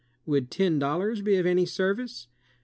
"Would ten dollars be of any service?"